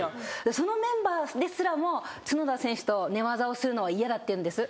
そのメンバーですらも角田選手と寝技をするの嫌だって言うんです。